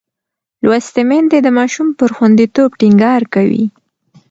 لوستې میندې د ماشوم پر خوندیتوب ټینګار کوي.